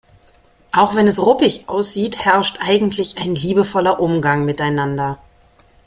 Auch wenn es ruppig aussieht, herrscht eigentlich ein liebevoller Umgang miteinander.